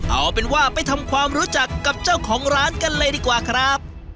เอาเป็นว่าไปทำความรู้จักกับเจ้าของร้านกันเลยดีกว่าครับ